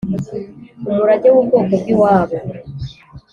umurage w ubwoko bwi wabo